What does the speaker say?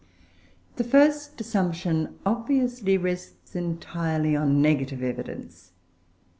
The first assumption obviously rests entirely on negative evidence.